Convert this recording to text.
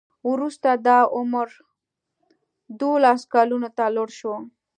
وروسته دا عمر دولسو کلونو ته لوړ شو.